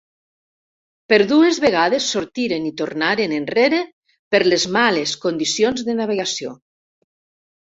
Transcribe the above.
Per dues vegades sortiren i tornaren enrere per les males condicions de navegació.